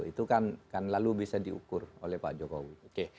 itu kan lalu bisa diukur oleh pak jokowi